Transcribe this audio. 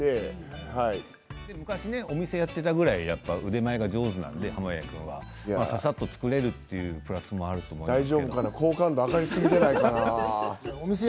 昔、お店をやってたぐらい腕前が上手なので濱家君はささっと作れるということもあるよね。